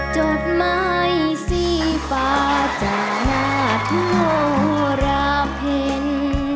จดไม้สีฟ้าจากหน้าโทรเพ็ญ